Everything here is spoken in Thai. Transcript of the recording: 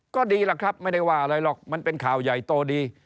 ก็ดีล่ะครับไม่ได้ว่าอะไรหรอกมันเป็นข่าวใหญ่โตดี